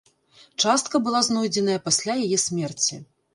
Частка была знойдзеная пасля яе смерці.